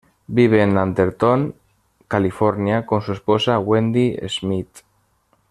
Vive en Atherton, California, con su esposa Wendy Schmidt.